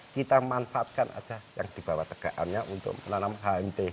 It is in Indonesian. kita manfaatkan aja yang di bawah tekaannya untuk menanam hmt